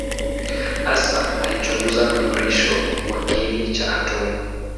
Hasa alichunguza mnururisho wa kiini cha atomu.